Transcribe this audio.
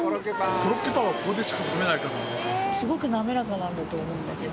コロッケパンはここでしか食すごく滑らかなんだと思うけど。